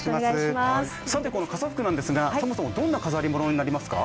この傘福なんですがそもそもどんな飾り物となりますか？